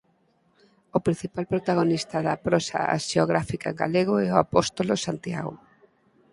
O principal protagonista da prosa haxiográfica en galego é o Apóstolo Santiago.